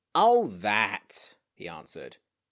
"Oh, that!' he answered.